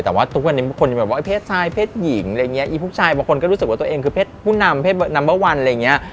แต่ว่าทุกวันนี้คนจะมาบอกว่า